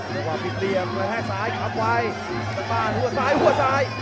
เมื่อว่าผิดเรียบมันให้ซ้ายขับไว้ถุงเงินหัวซ้ายหัวซ้าย